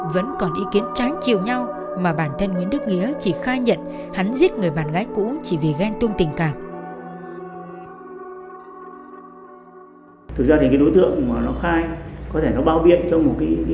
vẫn còn ý kiến trái chiều nhau mà bản thân nguyễn đức nghĩa chỉ khai nhận hắn giết người bạn gái cũ chỉ vì ghen tuông tình cảm